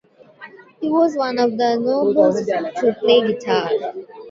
He was one of the first nobles to play guitar.